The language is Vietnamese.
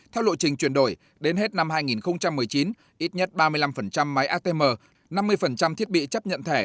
theo lộ trình chuyển đổi đến hết năm hai nghìn một mươi chín ít nhất ba mươi năm máy atm năm mươi thiết bị chấp nhận thẻ